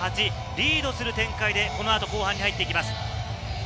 リードする展開でこのあと後半に入ってきます。